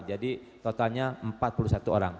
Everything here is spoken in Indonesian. jadi totalnya empat puluh satu orang